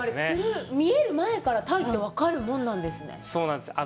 見える前から鯛って分かるんですね？